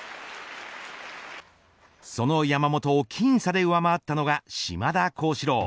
その山本を僅差で上回ったのが島田高志郎。